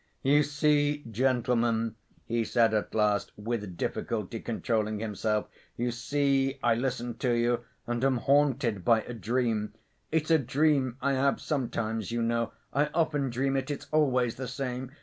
"You see, gentlemen," he said at last, with difficulty controlling himself, "you see. I listen to you and am haunted by a dream.... It's a dream I have sometimes, you know.... I often dream it—it's always the same